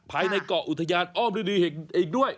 ภายในเกาะอุทยานอ้อมฤดีอีกด้วย